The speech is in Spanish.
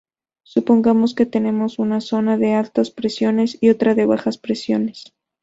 Supongamos que tenemos una zona de altas presiones y otra de bajas presiones.